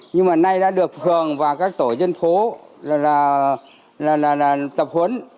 nhưng mà nay đã được hưởng vào các tổ dân phố là tập huấn